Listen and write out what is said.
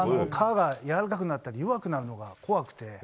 革がやわらかくなったり弱くなるのが怖くて。